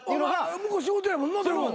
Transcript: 向こう仕事やもんな。